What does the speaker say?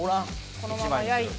このまま焼いて。